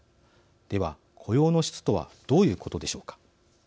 では、雇用の質とはどういうことでしょうか。